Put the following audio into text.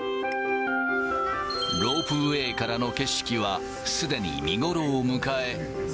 ロープウエーからの景色は、すでに見頃を迎え。